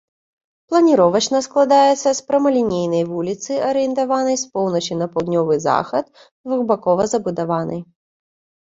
Планіровачна складаецца з прамалінейнай вуліцы, арыентаванай з поўначы на паўднёвы захад, двухбакова забудаванай.